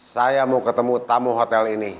saya mau ketemu tamu hotel ini